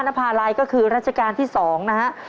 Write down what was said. นภาลัยก็คือรัชกาลที่๒นะฮะ